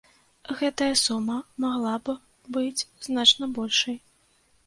Гэтая сума магла б быць значна большай.